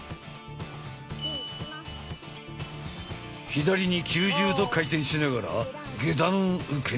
左に９０度回転しながら下段受け！